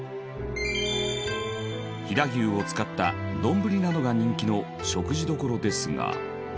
飛騨牛を使ったどんぶりなどが人気の食事処ですが。